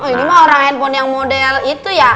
ini mah orang handphone yang model itu ya